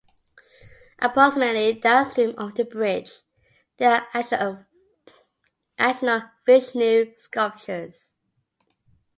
Approximately downstream of the bridge, there are additional Vishnu sculptures.